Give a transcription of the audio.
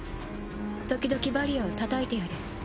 時々バリアをたたいてやれ。